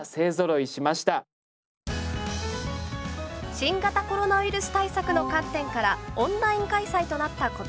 新型コロナウイルス対策の観点からオンライン開催となった今年。